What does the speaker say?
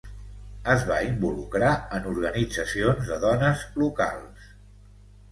Es va involucrar en organitzacions de dones locals.